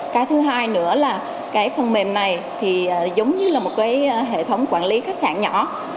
cái thứ hai nữa là cái phần mềm này thì giống như là một cái hệ thống quản lý khách sạn nhỏ